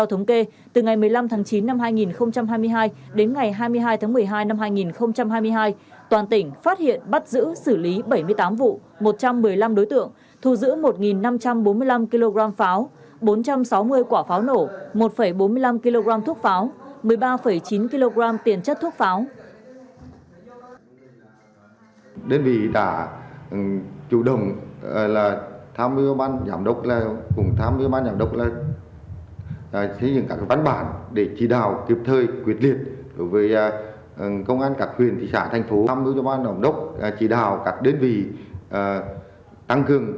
từ ngày một mươi năm tháng chín năm hai nghìn hai mươi hai đến ngày hai mươi hai tháng một mươi hai năm hai nghìn hai mươi hai toàn tỉnh phát hiện bắt giữ xử lý bảy mươi tám vụ một trăm một mươi năm đối tượng thu giữ một năm trăm bốn mươi năm kg pháo bốn trăm sáu mươi quả pháo nổ một bốn mươi năm kg thuốc pháo một mươi ba chín kg tiền chất thuốc pháo